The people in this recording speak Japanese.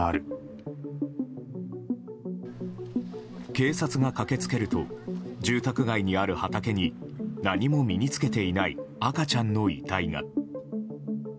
警察が駆け付けると住宅街にある畑に何も身に着けていない赤ちゃんの遺体が。